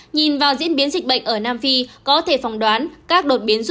nhìn vào diễn biến dịch bệnh ở nam phi có thể phòng đoán